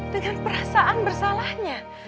dengan perasaan bersalahnya